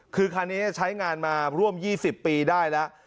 คือคันนี้ใช้งานมาร่วม๒๐ปีได้แล้ว